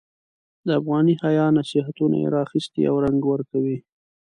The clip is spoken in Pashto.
د افغاني حیا نصیحتونه یې را اخیستي او رنګ ورکوي.